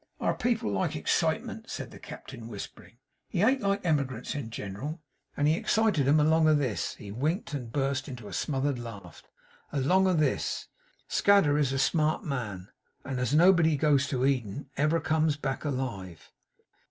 'Our people like ex citement,' said the Captain, whispering. 'He ain't like emigrants in gin'ral; and he excited 'em along of this;' he winked and burst into a smothered laugh; 'along of this. Scadder is a smart man, and and nobody as goes to Eden ever comes back alive!